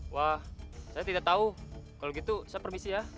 wah saya tidak tahu kalau gitu saya permisi ya